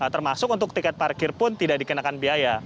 termasuk untuk tiket parkir pun tidak dikenakan biaya